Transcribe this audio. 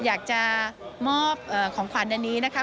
อยากจะมอบของขวัญอันนี้นะคะ